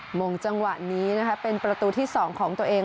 หมงจังหวะนี้นะคะเป็นประตูที่๒ของตัวเอง